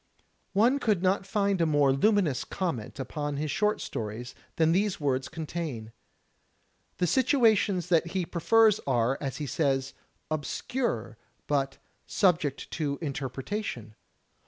One could not find a more luminous comment upon his short stories than these words contain. The situations that he prefers are, as he says, "obscure" but "subject to interpretation."